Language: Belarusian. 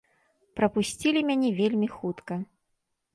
Прапусцілі мяне вельмі хутка.